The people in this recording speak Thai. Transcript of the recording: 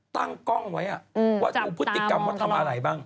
ตั้งกล้องไว้ว่าดูพฤติกรรมว่าทำอะไรบ้าง